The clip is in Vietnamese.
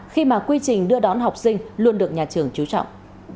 khi mà quy trình đưa đón học sinh luôn được nhà trường trú trọng